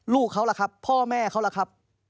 ลูกเขาล่ะครับพ่อแม่เขาล่ะครับ